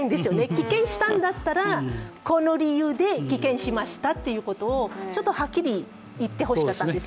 棄権したんだったらこの理由で棄権しましたということをちょっとはっきり言ってほしかったんですね。